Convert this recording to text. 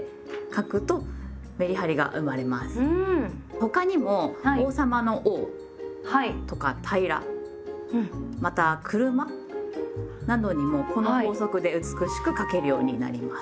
他にも王様の「王」とか「平ら」また「車」などにもこの法則で美しく書けるようになります。